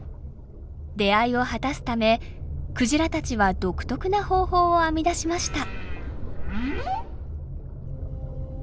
出会いを果たすためクジラたちは独特な方法を編み出しました。